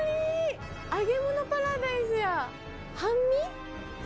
揚げ物パラダイスや。